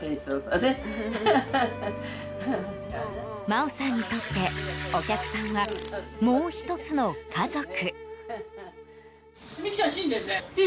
真央さんにとってお客さんはもう１つの家族。